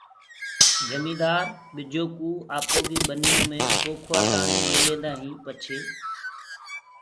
جميندآر ٻجو ڪو آپوئي ٻنيو مي پوکوآ تآڻي ليليندآ هين پڇي